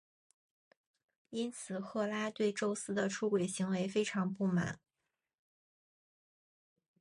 因此赫拉对宙斯的出轨行为非常不满。